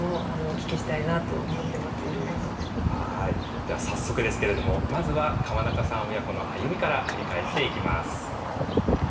では早速ですけれどもまずは川中さん親子の歩みから振り返っていきます。